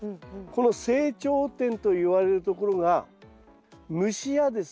この成長点といわれるところが虫やですね